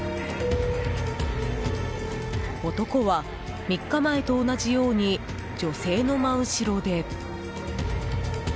男は３日前と同じように女性の真後ろで。